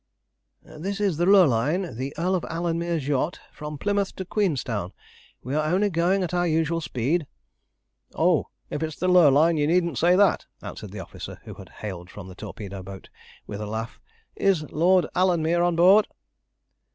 "This is the Lurline, the Earl of Alanmere's yacht, from Plymouth to Queenstown. We're only going at our usual speed." "Oh, if it's the Lurline, you needn't say that," answered the officer who had hailed from the torpedo boat, with a laugh. "Is Lord Alanmere on board?"